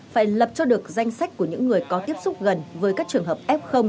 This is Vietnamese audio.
phải lập cho được danh sách của những người có tiếp xúc gần với các trường hợp f